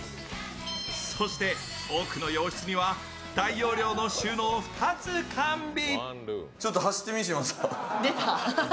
そして、奥の洋室には大容量の収納を２つ完備。